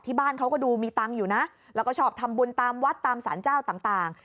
ที่บ้านเขาก็ดูมีตังค์อยู่นะแล้วก็ชอบทำบุญตามวัดตามสารเจ้าต่าง